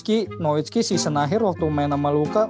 komenowiczki season akhir waktu main sama luka